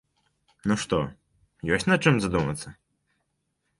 Ну што, ёсць над чым задумацца?